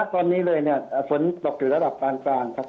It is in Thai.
ตอนนี้เลยฝนตกถึงระดับกลางครับ